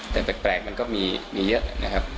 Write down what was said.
แต่แปลกมันก็มีเยอะนะครับ